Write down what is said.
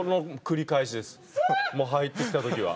もう入ってきた時は。